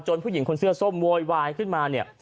จนผู้หญิงคนเสื้อส้มโวยวายขึ้นมา